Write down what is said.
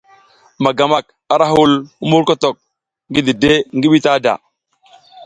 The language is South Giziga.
Magamak ara hul mumburkotok ngi dide ngi bitada.